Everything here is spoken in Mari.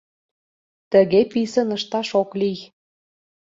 Тыге писын ышташ ок лий.